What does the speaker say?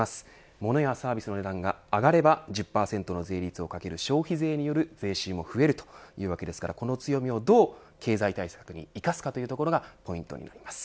モノやサービスの値段が上がれば１０％の税率をかける消費税による税収も増えるというわけですからこの強みをどう経済対策に生かすかというところがポイントになります。